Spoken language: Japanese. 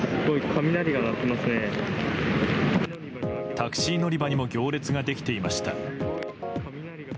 タクシー乗り場にも行列ができていました。